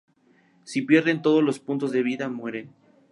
Si pierden todos los puntos de vida, mueren.